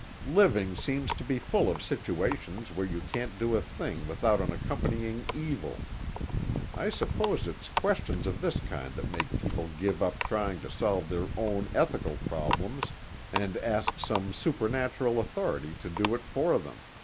"Living seems to be full of situations where you can't do a good thing without an accompanying evil. I suppose it's questions of this kind that make people give up trying to solve their own ethical problems and ask some supernatural authority to do it for them.